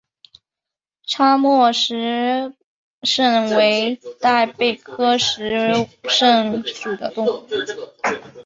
叉膜石蛏为贻贝科石蛏属的动物。